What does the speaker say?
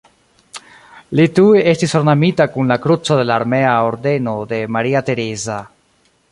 Li tuj estis ornamita kun la Kruco de la Armea ordeno de Maria Tereza.